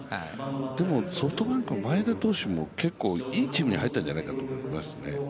でもソフトバンクの前田投手も結構いいチームに入ったんじゃないかと思いますね。